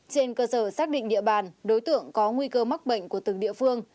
trên cơ sở xác định địa bàn đối tượng có nguy cơ mắc bệnh của từng địa phương